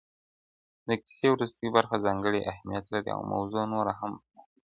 • د کيسې وروستۍ برخه ځانګړی اهميت لري او موضوع نوره هم پراخيږي..